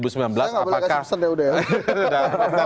saya nggak boleh kasih pesan deh udah ya